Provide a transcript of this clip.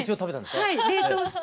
はい冷凍して。